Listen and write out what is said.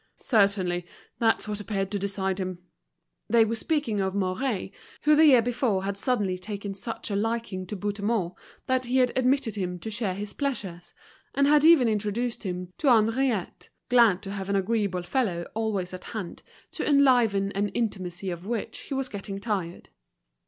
"Certainly. That's what appeared to decide him." They were speaking of Mouret, who the year before had suddenly taken such a liking to Bouthemont that he had admitted him to share his pleasures, and had even introduced him to Henriette, glad to have an agreeable fellow always at hand to enliven an intimacy of which he was getting tired.